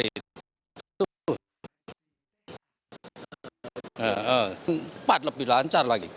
empat lebih lancar lagi